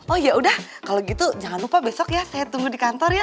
oh yaudah kalau gitu jangan lupa besok ya saya tunggu di kantor ya